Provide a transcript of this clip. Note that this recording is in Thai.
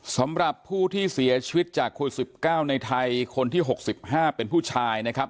สำหรับผู้ที่เสียชีวิตจากโควิด๑๙ในไทยคนที่๖๕เป็นผู้ชายนะครับ